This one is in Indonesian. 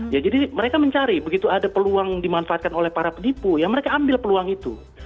ya jadi mereka mencari begitu ada peluang dimanfaatkan oleh para penipu ya mereka ambil peluang itu